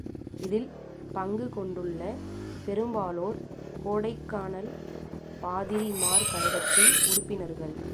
இதில் பங்குகொண்டுள்ள பெரும்பாலோர் கோடைக்கானல் பாதிரிமார்கழகத்தின் உறுப்பினர்கள்.